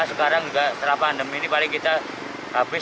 sekarang setelah pandemi ini kita habis cuma delapan ratus lumpia